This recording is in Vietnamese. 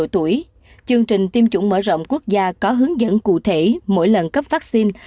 chương trình tiêm chủng mở rộng quốc gia có hướng dẫn cụ thể mỗi lần cấp vaccine